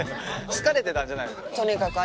好かれてたんじゃないの？